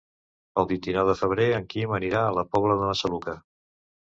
El vint-i-nou de febrer en Quim anirà a la Pobla de Massaluca.